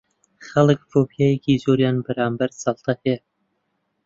خەڵک فۆبیایەکی زۆریان بەرامبەر جەڵتە هەیە